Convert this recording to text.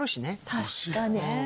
確かに。